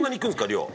量。